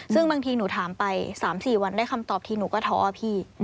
ซึ่งบางทีหนูถามไป๓๔วันได้คำตอบทีหนูก็ท้อพี่